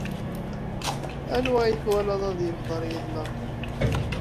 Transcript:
Anwa i twalaḍ ad ifteṛ yid-neɣ?